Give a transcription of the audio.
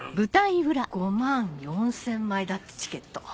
５万４０００枚だってチケット。